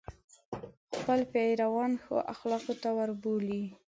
خپل پیروان ښو اخلاقو ته وروبولي.